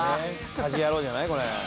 「『家事ヤロウ！！！』じゃない？これ」